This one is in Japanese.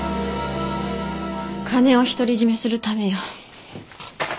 金を独り占めするためよ。